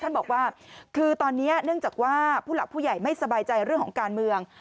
บอกว่าคือตอนนี้เนื่องจากว่าผู้หลักผู้ใหญ่ไม่สบายใจเรื่องของการเมือง